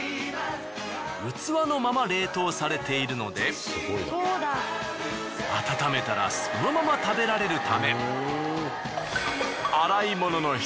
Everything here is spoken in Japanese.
器のまま冷凍されているので温めたらそのまま食べられるため。